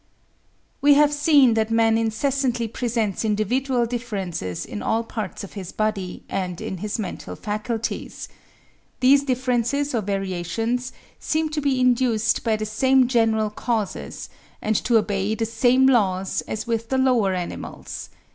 We have seen that man incessantly presents individual differences in all parts of his body and in his mental faculties. These differences or variations seem to be induced by the same general causes, and to obey the same laws as with the lower animals.